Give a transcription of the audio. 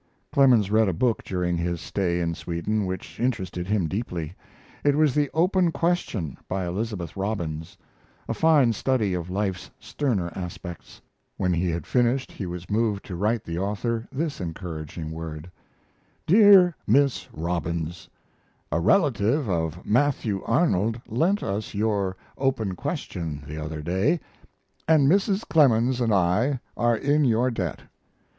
Clemens read a book during his stay in Sweden which interested him deeply. It was the Open Question, by Elizabeth Robbins a fine study of life's sterner aspects. When he had finished he was moved to write the author this encouraging word: DEAR MISS ROBBINS, A relative of Matthew Arnold lent us your 'Open Question' the other day, and Mrs. Clemens and I are in your debt.